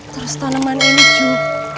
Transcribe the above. terus tanaman ini juga